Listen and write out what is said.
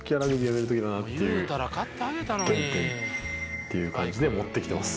っていう感じで持ってきてます